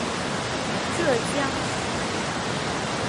浙江石门人。